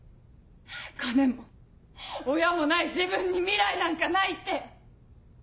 金も親もない自分に未来なんかないって。